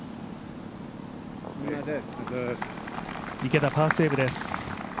池田パーセーブです。